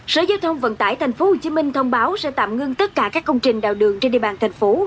sở giao thông vận tải tp hcm thông báo sẽ tạm ngưng tất cả các công trình đào đường trên địa bàn thành phố